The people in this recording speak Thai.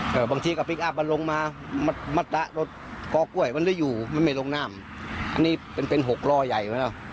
แบบบางทีกลับลงมามาตะรถกอ๊อกก้วยมันได้อยู่ไม่ขลัวล่อใหญ่